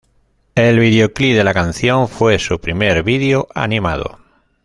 El videoclip de la canción fue su primer video animado.